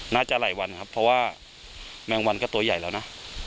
น่าจะหลายวันครับเพราะว่าแมงวันก็ตัวใหญ่แล้วนะ